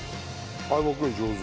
相葉君上手。